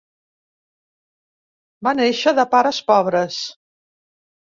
Va néixer de pares pobres.